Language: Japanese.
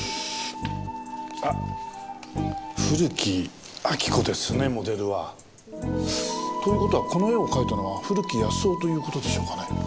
あっ古木亜木子ですねモデルは。という事はこの絵を描いたのは古木保男という事でしょうかね？